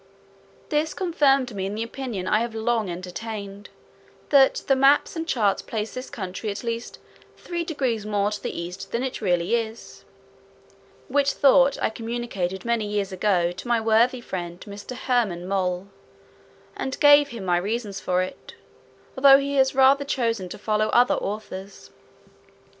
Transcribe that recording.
This confirmed me in the opinion I have long entertained, that the maps and charts place this country at least three degrees more to the east than it really is; which thought I communicated many years ago to my worthy friend, Mr. Herman Moll, and gave him my reasons for it, although he has rather chosen to follow other authors.